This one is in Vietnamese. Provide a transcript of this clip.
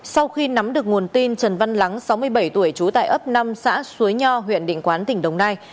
sau khi nắm được nguồn tin trần văn lắng sáu mươi bảy tuổi trú tại ấp năm xã suối nho huyện định quán tỉnh đồng nai